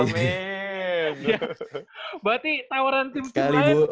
berarti tawaran tim tim lain